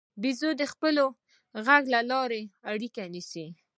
بیزو د خپل غږ له لارې اړیکه نیسي.